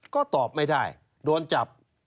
ก็ตอบไม่ได้โดนจับ